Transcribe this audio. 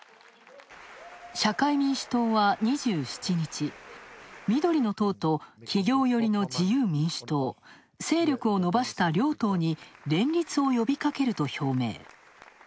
社会民主党は２７日、緑の党と企業寄りの勢力をのばした両党に連立を呼びかけると表明。